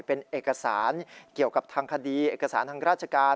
เป็นเอกสารเกี่ยวกับทางคดีเอกสารทางราชการ